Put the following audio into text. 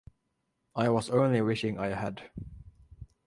I was only wishing I had.